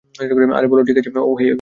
আরে, বল ঠিক আছে, হেই, ওখানে কী দেখেছ?